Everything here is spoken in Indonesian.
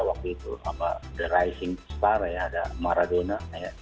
waktu itu ada rising star ya ada maradona